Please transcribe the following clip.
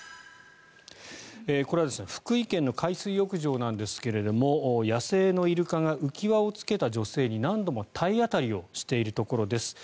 これは福井県の海水浴場なんですが野生のイルカが浮輪をつけた女性に何度も体当たりをしているところです。